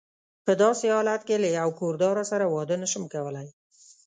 په داسې حالت کې له یوه کور داره سره واده نه شم کولای.